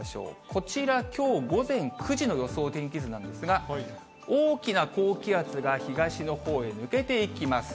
こちら、きょう午前９時の予想天気図なんですが、大きな高気圧が東の方へ抜けていきます。